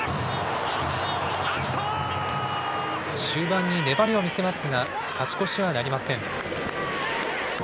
終盤に粘りを見せますが、勝ち越しはなりません。